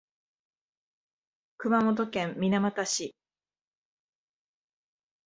熊本県水俣市